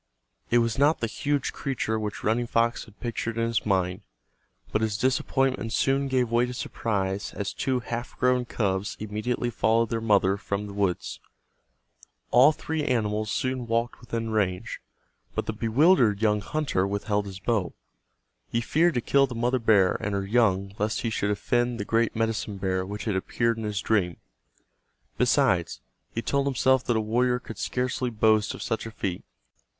It was not the huge creature which Running Fox had pictured in his mind, but his disappointment soon gave way to surprise as two half grown cubs immediately followed their mother from the woods. All three animals soon walked within range, but the bewildered young hunter withheld his arrow. He feared to kill the mother bear and her young lest he should offend the great medicine bear which had appeared in his dream. Besides, he told himself that a warrior could scarcely boast of such a feat.